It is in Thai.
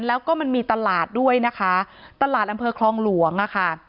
แล้วก็มันมีตลาดด้วยนะคะตลาดอำเภอคลองหลวงอ่ะค่ะ